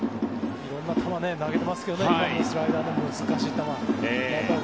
いろんな球を投げてますけどスライダーの難しい球。